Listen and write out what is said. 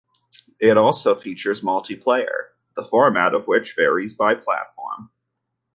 It also features multiplayer, the format of which varies by platform.